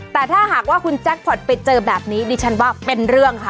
แต่ถ้าหากว่าคุณแจ็คพอร์ตไปเจอแบบนี้ดิฉันว่าเป็นเรื่องค่ะ